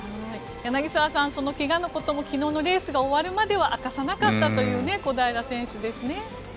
柳澤さんその怪我のことも昨日のレースが終わるまでは明かさなかったという小平選手ですね。